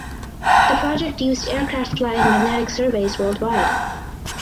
The project used aircraft flying magnetic surveys worldwide.